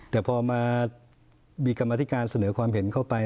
แต่พอมามีกรรมธิการเสนอความเห็นเข้าไป